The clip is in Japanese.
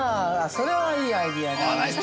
それはいいアイデアだわ。